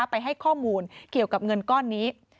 ไปให้ข้อมูลเกี่ยวกับเงินก้อนนี้